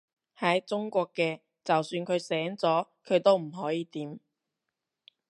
喺中國嘅，就算佢醒咗，佢都唔可以點